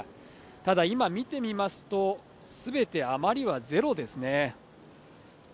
ただ、今見てみますと、すべて余りはゼロですね。